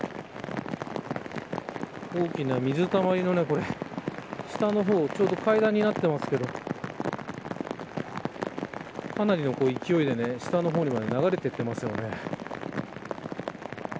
大きな水たまりが下の方は階段になってますけどかなりの勢いで下の方にまで流れていっていますね。